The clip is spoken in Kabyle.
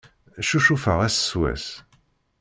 Ccucufeɣ ass s wass.